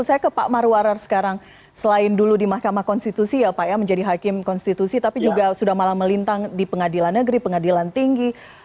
saya ke pak marwarar sekarang selain dulu di mahkamah konstitusi ya pak ya menjadi hakim konstitusi tapi juga sudah malah melintang di pengadilan negeri pengadilan tinggi